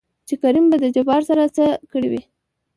چې کريم به د جبار سره څه کړې وي؟